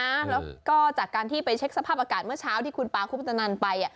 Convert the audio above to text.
แล้วก็จากการที่ไปเช็คสภาพอากาศเมื่อเช้าที่คุณปาคุปตนันไป